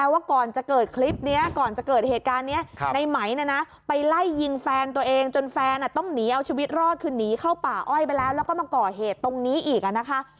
ว่าไปแล้วแล้วก็มาเกาะเหตุตรงนี้อีกอ่ะนะคะ